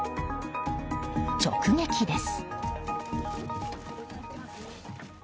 直撃です。